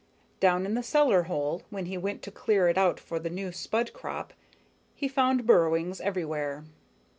Down in the cellar hole, when he went to clear it out for the new spud crop, he found burrowings everywhere.